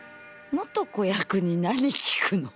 元子役に何聞くの？